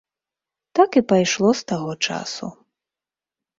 Так і пайшло з таго часу.